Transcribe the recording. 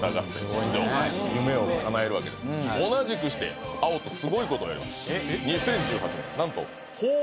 出場夢をかなえるわけです同じくしてあおとすごいことをやります